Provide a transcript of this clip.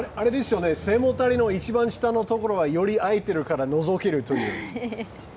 背もたれの一番下のところがより開いているから、のぞけるという。